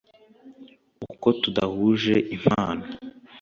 uko tudahuje impano